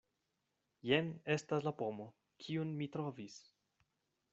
Jen estas la pomo, kiun mi trovis.